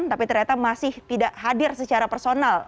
tapi ternyata masih tidak hadir secara personal